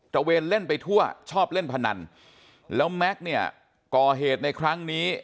ระเวนเล่นไปทั่วชอบเล่นพนันแล้วแม็กซ์เนี่ยก่อเหตุในครั้งนี้